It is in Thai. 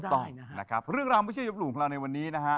ต้องนะครับเรื่องราวไม่ใช่ยบหลู่ของเราในวันนี้นะฮะ